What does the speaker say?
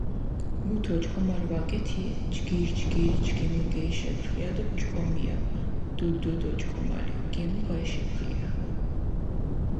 მუთ ოჭკომალი ვაკეთიე, ჯგირ-ჯგირი ჩქიმო გეიშებღია დო პჭკომია დუდ-დუდი ოჭკომალი, გემო გაიშებღია.